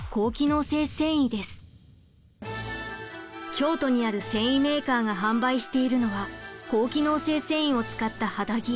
京都にある繊維メーカーが販売しているのは高機能性繊維を使った肌着。